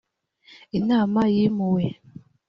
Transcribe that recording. inama yimuwe.